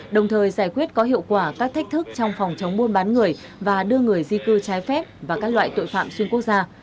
đồng thời giải quyết có hiệu quả các thách thức trong phòng chống buôn bán người và đưa người di cư trái phép và các loại tội phạm xuyên quốc gia